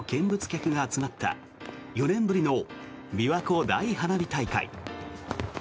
およそ３０万人の見物客が集まった４年ぶりのびわ湖大花火大会。